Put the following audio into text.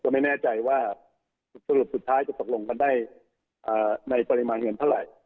ไม่แน่ใจว่าสรุปสุดท้ายจะตกลงกันได้ในปริมาณเงินเท่าไหร่